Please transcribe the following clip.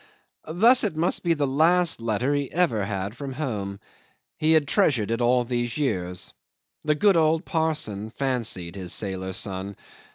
Thus it must be the last letter he ever had from home. He had treasured it all these years. The good old parson fancied his sailor son.